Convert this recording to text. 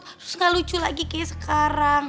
terus gak lucu lagi kayak sekarang